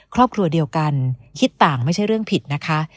ครอบครัวเดียวกันคิดต่างไม่ใช่เรื่องผิดนะคะ